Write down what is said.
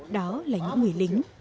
đó là những người linh